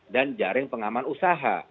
dan jaring pengaman usaha